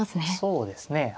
そうですね。